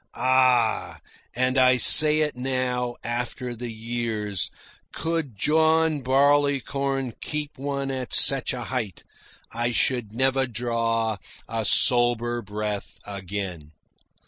Ah! and I say it now, after the years could John Barleycorn keep one at such a height, I should never draw a sober breath again.